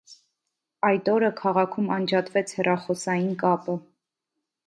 Այդ օրը քաղաքում անջատվեց հեռախոսային կապը։